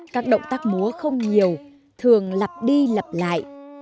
các động tác múa không nhiều thường lặp đi lặp lại